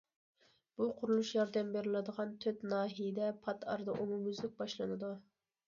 بۇ قۇرۇلۇش ياردەم بېرىلىدىغان تۆت ناھىيەدە پات ئارىدا ئومۇميۈزلۈك باشلىنىدۇ.